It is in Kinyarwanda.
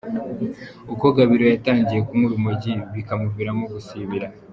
Uko Gabiro yatangiye kunywa urumogi bikamuviramo gusibira.